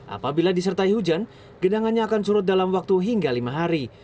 apabila disertai hujan gedangannya akan surut dalam waktu hingga lima hari